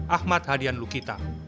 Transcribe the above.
ahmad hadian lukita